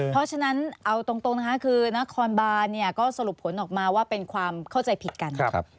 เพราะฉะนั้นเอาตรงนะคะคือนครบานเนี่ยก็สรุปผลออกมาว่าเป็นความเข้าใจผิดกัน